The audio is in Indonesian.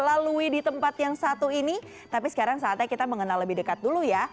lalui di tempat yang satu ini tapi sekarang saatnya kita mengenal lebih dekat dulu ya